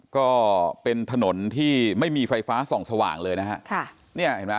ก็เป็นถนนที่ไม่มีไฟฟ้าส่องสว่างเลยนะฮะ